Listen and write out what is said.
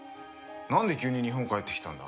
なんで急に日本帰ってきたんだ？